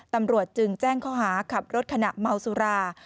ตำรวจจึงแจ้งข้อหาขับรถขณะเมาสุรา